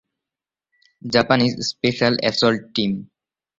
Japanese special assault team.